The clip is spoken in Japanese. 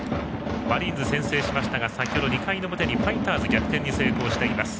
マリーンズが先制しましたが先ほど２回の表でファイターズが逆転に成功しています。